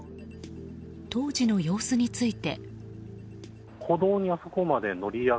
当時の様子について。